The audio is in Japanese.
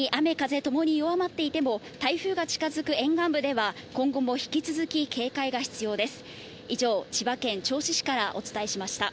一時的に雨風ともに弱まっていても台風が近づく沿岸部では今後も引き続き警戒が必要です。